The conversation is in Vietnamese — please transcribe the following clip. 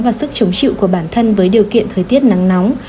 và sức chống chịu của bản thân với điều kiện thời tiết nắng nóng